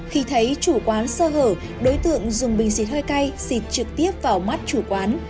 khi thấy chủ quán sơ hở đối tượng dùng bình xịt hơi cay xịt trực tiếp vào mắt chủ quán